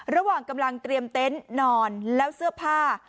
ระหว่างกำลังเตรียมเต็นต์นอนแล้วเสื้อผ้า